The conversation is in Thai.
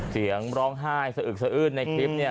เสียงร้องไห้สะอึกสะอื้นในคลิปเนี่ย